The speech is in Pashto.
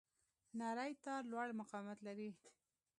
نری تار لوړ مقاومت لري.